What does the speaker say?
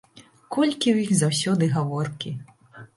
Колькі ў іх заўсёды гаворкі!